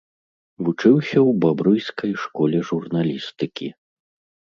Вучыўся ў бабруйскай школе журналістыкі.